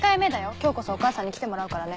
今日こそお母さんに来てもらうからね。